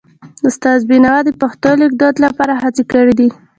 استاد بینوا د پښتو لیکدود لپاره هڅې کړې دي.